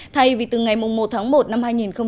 thay vì từ ngày một tháng một năm hai nghìn một mươi tám